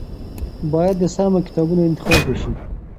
باید د سمو کتابونو انتخاب وشي.